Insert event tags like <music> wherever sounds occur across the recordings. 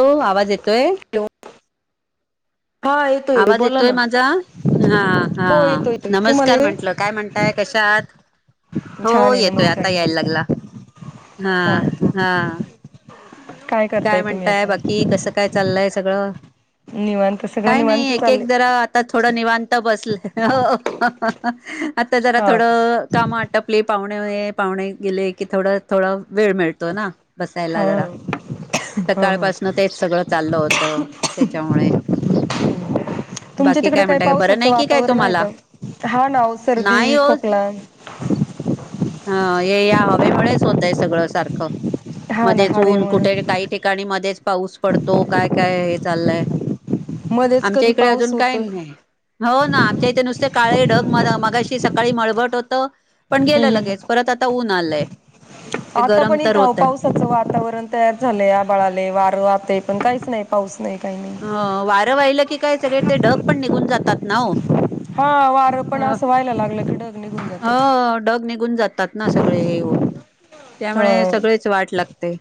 हो, आवाज येतोय. हॅलो हा येतो आवाज बोला येतोय ना माझा? हा, हा, हो येतो येतोय तुम्हाला नमस्कार येतोय म्हंटल. काय म्हणताय? कशात- छान हो, आहे येतोय नमस्कार आता, यायला नमस्कार लागला. हा, हा! करताय काय तुम्ही म्हणताय आता बाकी? कसं काय चाललंय सगळं? निवांत सगळं काय नाही, निवांत एक चाललंय एक जरा आता थोडं निवांत बसलय. हो. आता जरा हा का. थोडं काम वाटपले. पाहुणे पाहुणे गेले की, थोडं -थोडं वेळ मिळतो ना बसायला हा जरा. सकाळपासन तेच सगळं चाललं होतं, त्याच्यामुळे तुमच्या बाकी तिकडे काय म्हणत? का बरं पावसाचं नाही कि काय वातावरण आहे तुम्हाला? का हा ना ओ नाही सर्दी हो! खोकला अ हे या हवेमुळेच होतय सगळं सारखं. हा ना मध्येच ऊन, कुठे हवेमुळे काही ठिकाणी मध्येच पाऊस पडतो काय काय आहे. चालेल. मध्येच आमच्या कधी इकडे पाऊस अजून काही होतोय नाही. हो ना, आमच्या इथे नुसत्या- काळे ढग म मगाशी सकाळी मळबट होत. पण गेलं लग- हम्म च परत आता ऊन आलाय. आता पण इथं पावसाचं वातावरण तयार झालंय, आभाळ आलाय, वार वाहतय पण कायच- नाही पाऊस नाही. काही अ, नाही वारं वाहिलं की काय सगळे ते ढग पण निघून जातात नऊ. हा वारं पण अ, असं व्हायला लागलं की ढग निघून जाते अ, डग निघून जातात ना सगळे हे होऊन त्यामुळे हा सगळेच वाट लागते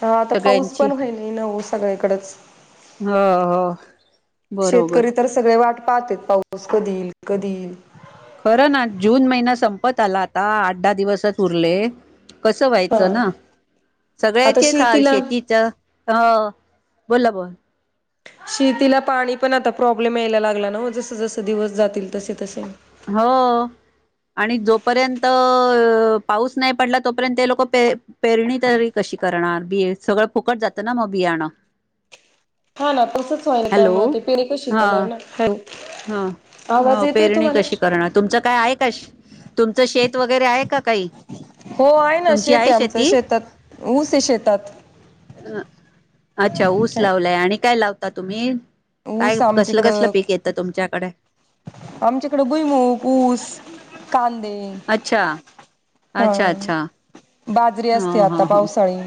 हा आता पाऊस सगळ्यांची, पण व्हाय नाही ना हो सगळ्याकडच. हो हो! बरोबर. शेतकरी तर सगळे वाट- पाऊस कधीई कधी खरं ना! जून महिना संपत आला आता आठ दहा दिवसच उरले. कसं हा व्हायचं ना आता सगळ्याचेच हाल शेतीला शेतीच हा--बोला बा शेतीला पाणी पण आता प्रॉब्लेम यायला लागला ना, जसं जसं दिवस जातील तसे तसे. हो आणि जोपर्यंत पाऊस नाही पडला तर तोपर्यंत हे लोक पे पेरणी तरी कशी करणार, बिय सगळं फुकट जात ना मग बियाणं. हा ना तसच व्हाल हॅलो त्यामुळे, ते पेरणी कशी करणार ना. आवाज हो येतोय पेरणी तुम्हाला? कशी करणार? तुमचं काय आहे का? तुमचं शेत वगैरे आहे का काही? हो आहे ना तुमची शेत आहे आमचं शेती? शेतात ऊस आहे शेतात. अच्छा ऊस लावलाय आणि काय लावल? आता तुम्ही काय ऊस कसल कसल आमच्याकडं पीक येतं तुमच्याकडे? आमच्याकडं बुईमगं, ऊस, कांदा ते अच्छा हा अच्छा अच्छा बाजरी ह असते आता ह ह पावसाळी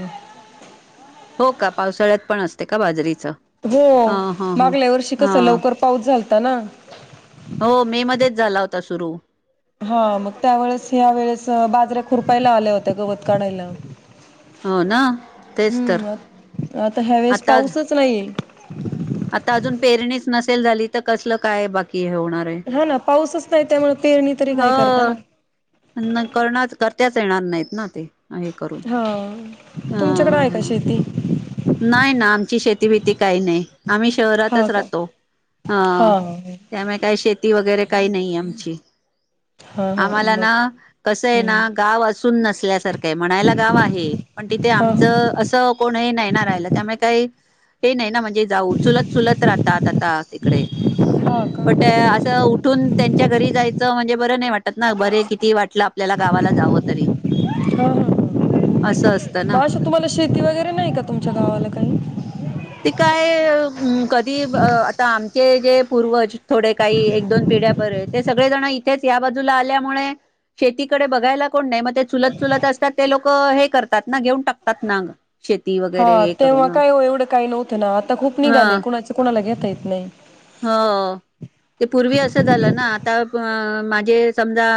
हो का पावसाळ्यात पण असते का बाजरी? हो मागल्या वर्षी हा कसं लवकर पाऊस झालता ना. आता सुरु हा मग त्यावेळेस, ह्या वेळेस बाजऱ्या खुरपायला आल्या होत्या गवत काढायला. हो ना तेच तर हम्म आता ह्यावेेळेस आता पाऊसच नाहिये <unintelligible> <inaudible> आता अजून पेरणीच नसेल झाली तर, कसलं काय बाकी कि हे होणार आहे. हा ना पाऊसच नाही त्यामुळे पेरणी तरी काय करता ना? त्यांना करताच येणार नाहीत ना ते. हा अ तुमच्याकडे आहे का शेती नाही ना आमची शेती भीती काही नाही, आम्ही हा शहरातच का राहतो, अ हा हा त्यामुळे काय शेती वगैरे काही नाही आमची हा आम्हाला मग ना कस आहे ना, हम्म गाव असून नसल्यासारखं आहे म्हणायला गाव आहे. पण तिथे हा आमचं असं कोणही नाही ना राहिलं, त्यामुळे काही हे नाही ना म्हणजे जाऊ चुलत चुलत राहतात. आता तिकडे हा पण का त्या असं उठून त्यांच्या घरी जायचं म्हणजे बर नाही वा ना बरे किती वाटलं आपल्याला गावाला जावं तरी हा हा असं असत. मग ना अशा तुम्हाला शेती वगैरे नाही का तुमच्या गावाला काही ते काय कधी आता आमचें जे पूर्वज थोडे काही एक दोन पिढ्या पर्यंत ते सगळे जणं इथेच या बाजूला आल्यामुळे शेतीकडे बघायला कोण नाही मग ते चुलत चुलत असतात ते लोक हे करत त्या ना घेऊन टाकतात ना शेती वगैरे हा हे करूण तेव्हा ह् काय हो एवढं काही नव्हतं ना आता खूप निघालय ह् कुणाच कुणाला घेता येत नाही हो ते पूर्वी अस झालं ना तंब माझे समजा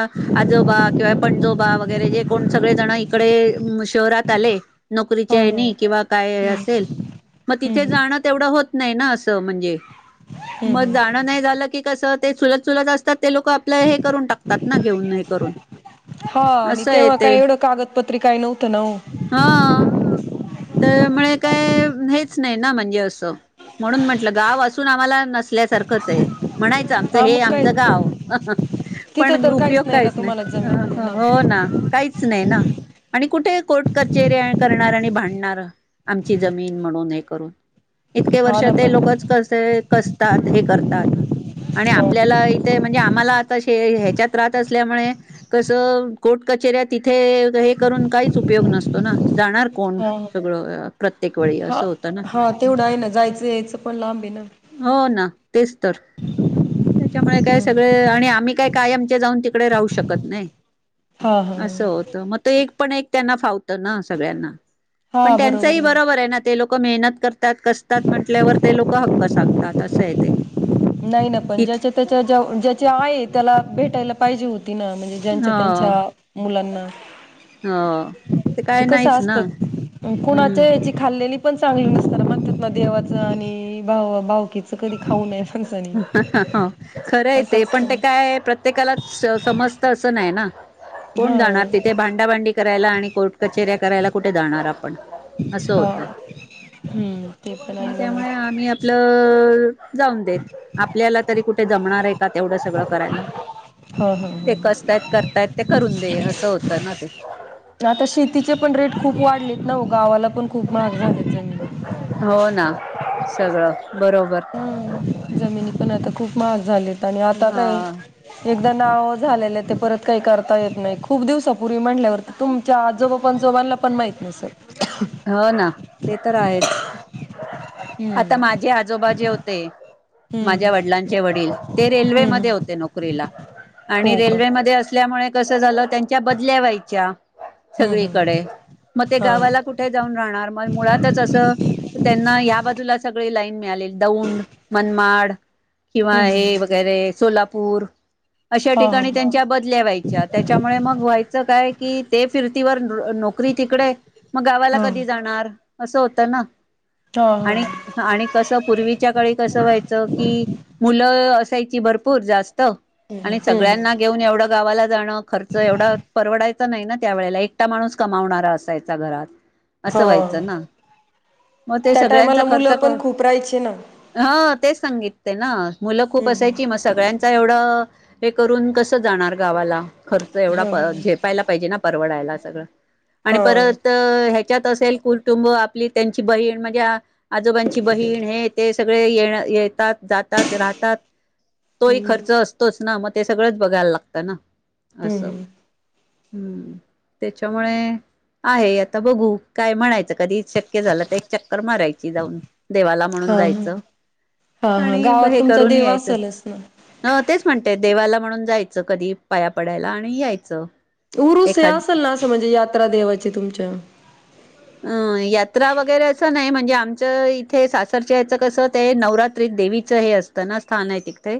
आजोबा किंवा पंजोबा वगैरे जे कोण सगळे जण इकडे शहरात आले हा नोकरीच्या हा हीणी किंवा काय असेल मग तिथे हम्म जाणं तेवढं होत नाही ना असं म्हणजे मग हम्म जाणं नाही झालं की कसं ते सुलत चुलत असतात ते लोक आपलं हे करून टाकतात ना घेऊन नाही करून हा आणि असं आहे तेव्हा ते काय एवढं कागदपत्री काही नव्हतं ना हो हा तळमुळे काय हेच नाही ना म्हणजे असं म्हणून म्हटलं गाव असून आम्हाला नसल्यासारखंच आहे. म्हणायचं आमच हा हे मग काय आमच गाव तिथं पण तर उपयोग ना काहीच नाही तुम्हाला जमीन ह् हो नाही काहीच नाही ना आणि कुठे कोट कचेरी करणार आणि भिडणा आमची जमीन म्हणून हे करून इतके हा वर्ष ना ते पण लोकच कसे कसतात हे करतात आणि हो आपल्याला इथे म्हणजे आम्हाला आता ह्याच्यात राहत असल्यामुळे कसं कोर्ट कचेऱ्या तिथे हे करून काहीच उपयोग नसतो ना जाणार कोण हा सगळं प्रत्येक वेळी हा असं होत ना हा तेवढं आहे ना जायचं यायचं पण लांब आहे ना हो ना तेच तर त्याच्यामुळे काय सगळं आणि आम्ही काय कायमचे जाऊन तिकडे राहू शकत नाही हा हा असं होत मग ते एक पण एक त्यांना फावतं ना सगळ्यांना पण त्यांचही बरोबर आहे ना ते लोक मेहनत त्यात कष्टातं म्हंटल्यावर ते लोक हक्क सांगतात असं आहे ते नाही ना पण तिथे ज्याच्या त्याच्या ज्याचे आई त्याला भेटायला पण पाहिजे हो म्हणजे ह ज्याच्या त्याच्या मुलांना ह <unintelligible> ते काय कसं नाहीच असत ना हम्म कुणाच्या याची खाल्लेली पण चांगली नसत ना म्हणत्यात ना देवाचं आणि भाव भावकीचं कधी खाऊ नये असं माणसानी खरं आहे ते पण असतं ते ना काय प्रत्येकाला समजतं असं नाही ना. कोण जाणार हा तिथे भांडाभांडी करायला आणि कोर्ट कचेऱ्या करायला कुठे जाणार आप अस हा होत. हम्म ते पण मग आहे म्हणा त्यामुळे आम्ही आपलं जाऊ आपल्याला तरी कुठे जमणार आहे का तेवढं सगळं करायला, हा हा ते हा कसतायत करतायत ते करून दे असं होतं ना ते. आता शेतीचे पण रेट खूप वाढलेत ना वो गावाला पण खूप महाग झालेत जमीन. सगळ. हा जमिनी पण आता खूप महाग झालेत. आणि आता काय हा एक नाव झालेलं ते परत काही करता येत नाही खूप दिवसापूर्वी म्हणल्यावरती तुमच्या आजोबा पंजोबानला पण माहीत नसेल. हो ना ते तर आहे. <inaudible> आता हम्म माझे आजोबा जे होते ते माझ्या हम्म वडिलांचे वडील ते हम्म रेल्वेमध्ये हम्म होते नोकरीला. हो आणि का रेल्वेमध्ये अस ल्यामुळे कसं झालं त्यांच्या बदल्या व्हायच्या हम्म हम्म सगळीकडे मग ते हा गावाला कुठे जाऊन राहणार मग मुळातच असं त्यांना या लाईन मिळालीलेली दौंड, मनमाड, किंवा हम्म हे हम्म वगैरे सोलापूर, अशा हा हा ठिकाणी त्यांच्या बदल्या व्हायच्या, त्याच्यामुळे मग व्हायचं काय कि ते फिरतीवर नोकरी तिकडे मग गावाला हा कधी जाणार. असं होतं ना? हा हा आणि आणि कस पूर्वीच्या काळी कसं व्हायचं की मुलं असायची भरपूर जास्त आणि हम्म सगळ्यांना घेऊन एवढं गावाला जाणं खर्च एवढा परवडायचं नाही ना त्यावेेळेला एकटा माणूस कमावणारा असायचा घरात असं हा व्हायचं ना मग ते त्या सगळ्यांचा टायमाला खर्च मुलं पण खूप राहायची ना संगीतते ना मुलं खूप हम्म असायची मग सगळ्यांचा एवढं हे करून कसं जाणार गावाला खर्च हा हा एवढा झेपायला पाहिजे ना परवडायला सगळं आणि हा परत ह असेल कुटुंब आपली त्यांची बहीण म्हणजे आजोबांची बहीण हे ते सगळे ये येतात जातात राहतात तोही हम्म खर्च असतोच ना मग ते सगळंच बघायला लागतं ना असं हम्म हम्म त्याच्यामुळे आहे आता बघू काय म्हणायचं कधी च माराय जाऊन देवा हा हा म्हणूनच हा हा आणि गावात हे तुमचा करून देव यायच असेलच ना तेच म्हण म्हणून जायचं कधी पाया पडायला आणि यायचं उरुस एखाद असेल ना असं म्हणजे यात्रा देवायची तुमच्या अं यात्रा वगैरे असं नाही म्हणजे आमचं इथे सासरच्या याचं कसं ते नवरात्रीत देवीचं हे असतं ना स्थान आहे तिथे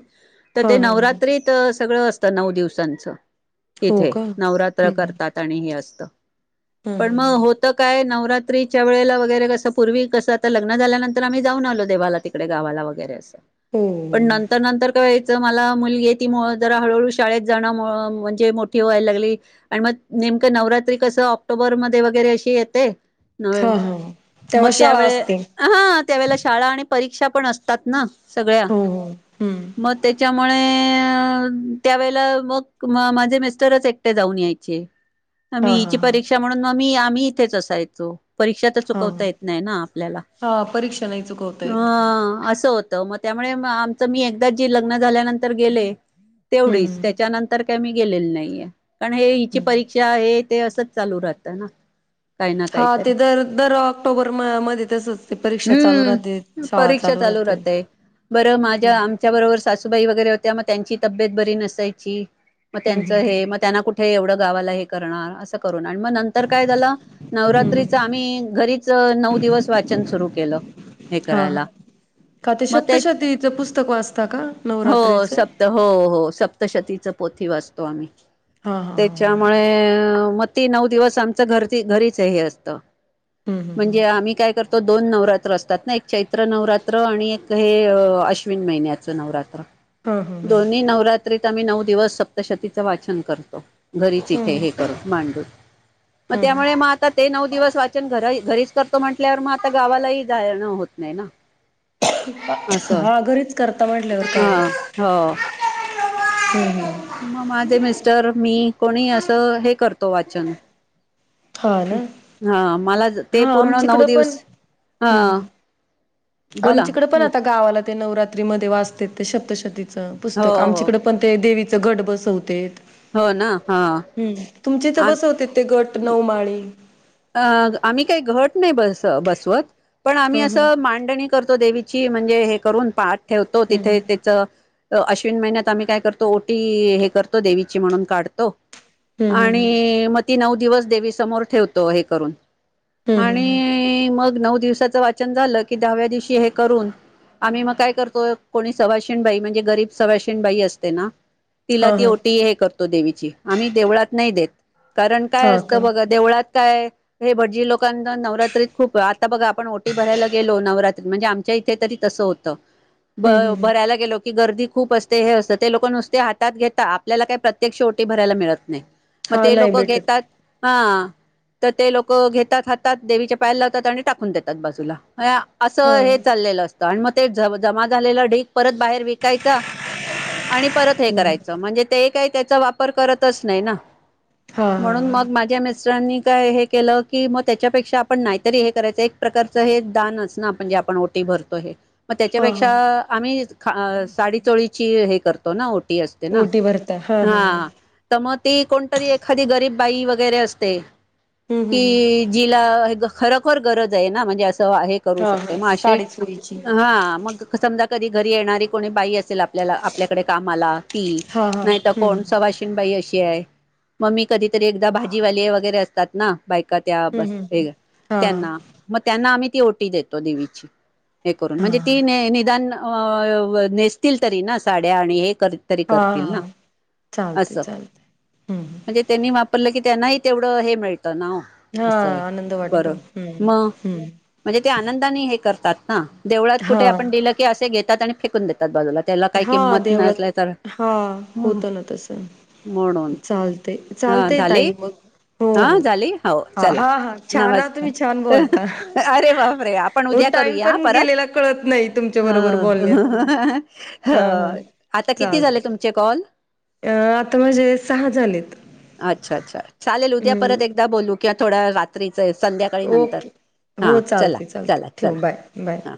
तर हा ते हा नवरात्रीत सगळं अस ता नऊ दिवसांचं. हो तिथे का नवरात्र हम्म करतात आणि ह असत हम्म पण मग हम्म होत नवरात्रीच्या वेळेला वगैरे कसं पूर्वी कसं आता लग्न झाल्यानंतर आम्ही जाऊन आलो देवाला तिकडे गावाला वगैरे असं. हो पण नंतर नंतर तर. मला मुलगी ती जरा हळूहळू शाळेत जाण म्हणजे मोठी व्हायला लागली आणि मग नेमकं नवरात्री कस ऑक्टोबरमध्ये वगैरे अशी ते. न्हे हा हा मग तेव्हा शाळा त्यावेळे असते हा त्यावेळेला शाळा आणि परीक्षा पण असतात ना. सगळ्या हो हो हम्म मग त्याच्यामुळे त्यावेळेला मग माझे मिस्टरच एकटे जाऊन यायचे मी हा हा हिची हा परीक्षा म्हणून मग मी मी इथेच अ जायचो. परीक्षा तर हा. चुकवता येत नाही ना आपल्याला हा परीक्षा नाही चुकवता अ येत. असं होत. मग त्यामुळे आमचं मी एकदा जे लग्न झाल्यानंतर गेले. तेवढीच हम्म त्याच्यानंतर कमी गेलेली नाहीये. कारण हे हिची हम्म. परीक्षा आहेत. ते असंच चालू राहतं ना काही ना हा काहीतरी, ते दर दर ऑक्टोबर म मध्ये तसच ते परीक्षा चालू राहते. हम्म शाळा परीक्षा चालू राहते. राहतय बरं माझ्या हम्म आमच्या बरोबर सासूबाई वगैरे होत्या मग त्यांची तब्येत बरी नसायची मग हम्म त्यांचं हम्म हे मग हम्म. त्यांना कुठे एवढं गावाला हे करणार अस मग नंतर काय झालं. हम्म नवरात्रीचा हम्म आम्ही घरीच नऊ दिवस वाचन सुरू केलं, हे हा हा. करायला का मग ते, शब्दशतीचं पुस्तक वाचता का हो नवरात्रीचं? सप्त हो हो सप्त. सप्तशतीचा पोथी वाचतो आम्ही हा हा हा हा. त्याच्यामुळे म- ती नऊ दिवस आमच घर घरी ते हे असतं. हम्म हम्म हम्म. म्हणजे आम्ही काय करतो दोन नवरात्र असतात. ना एक चैत्र नवरात्र आणि एक हे अश्विन महिन्याचं नवरात्र. हा हा हा. दोन्ही नवरात्रीत आम्ही नऊ दिवस सप्तशतीचं वाचन करतो घरीच इथे हम्म हे करत मांडून मग त्यामुळे हम्म म ते नऊ दिवस वाचन घरा घरीच कर तो म्हटल्यावर मग आता गावालाही जा न होतं नाही ना असं हा घरीच करता म्हटल्यावर काय हा हो हम्म मग माझे मिस्टर मी कोणी असं हे करत करतो वाचन हा ना. हा मला ते हा पूर्ण नऊ आमच्याकडं पण दिवस हा हम्म हम्म. बोला आमच्याकडे पण हो आता गावाला ते नवरात्रीमध्ये वाचते सप्तशती पुस्तक हो आमच्याकडे पण ते देवी घट बसवते, हो ना, हा तुमचे इथं आम बसवते ते घट नऊ माळी ह अ आम्ही काही घट नाही बस बसवत पण आम्ही हा हा. असं मांडणी करतो, देवी ची म्हणजे हे करून पाठ ठेवतो तिथे हम्म त्याच अश्विन महिन्यात आम्ही काय करतो ओटी हे करतो, देवीची म्हणून काढतो. हम्म हम्म हम्म आणि म ती नऊ दिवस देवीसमोर ठेवते. तो हे करून हम्म हम्म आणि मग नऊ दिवसाचं वाचन झालं की दहाव्या दिवशी हे करून आम्ही मग काय करतो कोणी सवाशीण बाई म्हणजे गरीब सवाशिन बाई असते ना, हा तिला ती हा ओटी हे करतो. <unintelligible> देवीची आम्ही देवळात नाही देत. कारण काय हा का असतं बघ हम्म देवळात काय हे भटजी लोकांना नवरात्रीत खूप आता बघा आपण ओटी भरायला गेलो, नवरात्री म्हणजे आमच्या इथे तरी तसं होतं. ब हम्म हम्म. भरायला गेलो की गर्दी खूप असते हे असतं ते लोक नुसते हात घेतात आपल्याला काही प्रत्यक्ष ओटी भरायला मिळत नाही. मग हा ते नाही लोक भेटत घेतात हा. तर ते लोक घेतात हातात देवीच्या पायाला लावतात आणि टाकून देतात बाजूला, असं हा हे चाललेलं असतं आणि मग ते जमा झालेला ढीक परत बाहेर विकायचा. आणि परत हे हम्म करायचं म्हणजे ते काय त्याचा वापर करतच नाही ना? हा हा म्हणून मग माझ्या मिस्टरांनी काय हे केलं की मग त्याच्यापेक्षा आपण नाहीतरी हे करायच एक प्रकारच हे दानच ना म्हणजे आपण ओटी भरतो हे, मग हा त्याच्यापेक्षा हा आम्ही ख साडीचोळीची हे करतो ओटी टी असते ना ओटी भरता हा हम्म हा मग ते कोणतरी एखादी गरीब बाई वगैरे असते. हम्म हम्म की जिला खरोखर गरज आहे ना म्हणजे अस असं हे करु हा शकते हा मग साडी चोळीची हा मग समजा कधी घरी येणारी कोणी बाई असेल आप ल्याला आपल्याकडे कामाला ती हा हा नाही तर हम्म कोण सवाशीनबाई अशी आहे म मी कधीतरी एकदा भाजीवाले वगैरे असं तात ना बायका त्या हम्म हम्म बसलेले हा हा त्यांना मग त्यांना आम्ही ती ओटी देतो देवीची हे करून हा म्हणजे ती निदान अ नेसतील तरी ना साड्या आणि हे तरी हा करतील ना हा चालते असं चालते. हम्म म्हणजे त्यांनी वाप ल की त्यांनाही तेवढं हे <inaudible> ना हा असय आनंद वाटतो. बरोबर हम्म मग हम्म म्हणजे ते आनंदाने हे करतात‌. हा. देवळात हा कुठे आपण दिलं की असे घेत घेतात आणि फेकून देतात बाजूला त्याला काही हा किंमत नसल्या देवळात तर हा ह होत ना तस म्हणून चालत हा चालतय झाली ताई मग हा हो झाली हो हा चला हा हा छान आ तुम्ही छान बोलता. नमस्कार अरे बापरे आपण हो उद्या टाइम करूया पण परत गेलेला कळत नाही तुमच्या बरोबर बोलण्यात अ--आ हा हा चालते कॉल अ आता म्हणजे सहा झालेत अच्छा अच्छा चालेल उद्या हम्म परत एकदा बोलू किंवा थोडा वेळ रात्री ओके हो चला चालते चालते चला चला ठेव बाय बाय हा